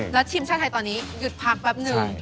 แล้วทีมชาติไทยตอนนี้หยุดพักแป๊บนึง